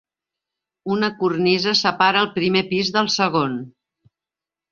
Una cornisa separa el primer pis del segon.